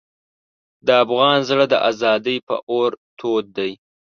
د افغان زړه د ازادۍ په اور تود دی.